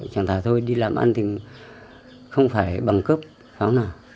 chẳng thà thôi đi làm ăn thì không phải bằng cấp không nào